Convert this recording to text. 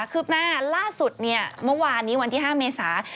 ืบหน้าล่าสุดเนี่ยเมื่อวานนี้วันที่๕เมษา